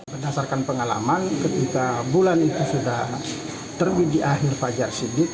berdasarkan pengalaman ketika bulan itu sudah terbit di akhir fajar siddiq